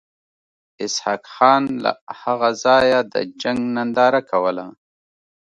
اسحق خان له هغه ځایه د جنګ ننداره کوله.